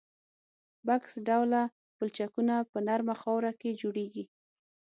بکس ډوله پلچکونه په نرمه خاوره کې جوړیږي